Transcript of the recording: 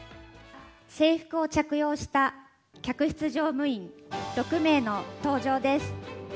制服を着用した客室乗務員６名の登場です。